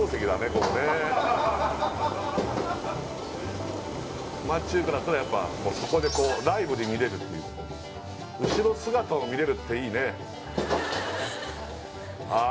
ここね町中華だとやっぱもうそこでこうライブで見れるっていう後ろ姿を見れるっていいねああ